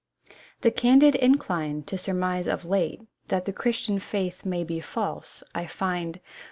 The candid incline to surmise of late That the Christian faith proves false, I find ; GOLD HAIR.